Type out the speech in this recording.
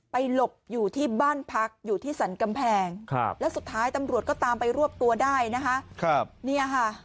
หลบอยู่ที่บ้านพักอยู่ที่สรรกำแพงแล้วสุดท้ายตำรวจก็ตามไปรวบตัวได้นะคะ